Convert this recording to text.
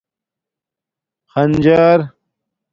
خنجر